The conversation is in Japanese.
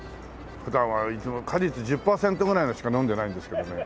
普段は果実１０パーセントぐらいのしか飲んでないんですけどね。